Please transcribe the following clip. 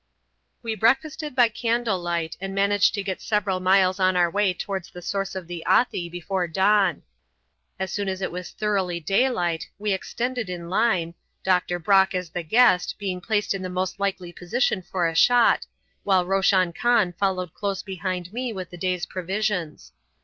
We breakfasted by candle light and managed to get several miles on our way towards the source of the Athi before dawn. As soon as it was thoroughly daylight, we extended in line, Dr. Brock, as the guest, being placed in the most likely position for a shot, while Roshan Khan followed close behind me with the day's provisions.